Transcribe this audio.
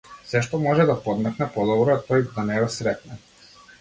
Сешто може да подметне подобро е тој да не ве сретне.